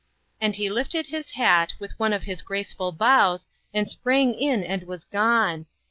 "And he lifted his hat, with one of his graceful bows, and sprang in and was gone.